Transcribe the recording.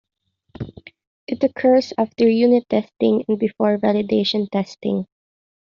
It occurs after unit testing and before validation testing.